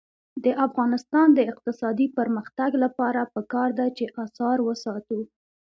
د افغانستان د اقتصادي پرمختګ لپاره پکار ده چې اثار وساتو.